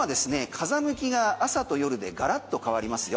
風向きが朝と夜でガラッと変わりますよ。